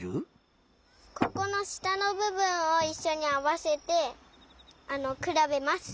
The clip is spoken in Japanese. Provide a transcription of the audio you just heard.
ここのしたのぶぶんをいっしょにあわせてくらべます。